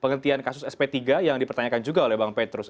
penghentian kasus sp tiga yang dipertanyakan juga oleh bang petrus